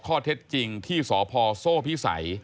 ข้อเท็จจริงที่สพโซ่พิสัย